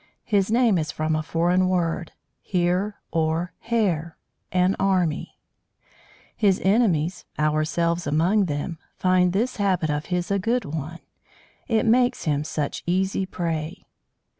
His name is from a foreign word heer or herr, an army. His enemies ourselves among them find this habit of his a good one. It makes him such easy prey.